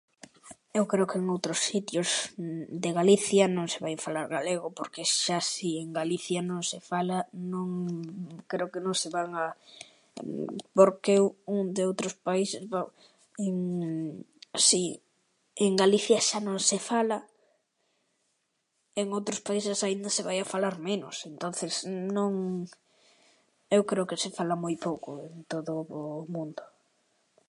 Eu creo que en outros sitios de Galicia non se vai falar galego porque xa si en Galicia non se fala non, creo que non se van a, porque eu, de outros países va, si en Galicia xa non se fala, en outros países aínda se vai a falar menos, entonces non. Eu creo que se fala moi pouco en todo o mundo.